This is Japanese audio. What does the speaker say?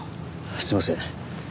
すいません。